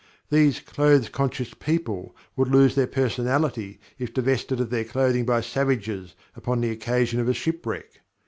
These "clothes conscious" people would lose their personality if divested of their clothing by savages upon the occasion of a shipwreck.